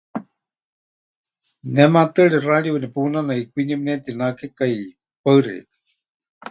Ne maatɨari radio nepunanai, kwinie pɨnetinakekai. Paɨ xeikɨ́a.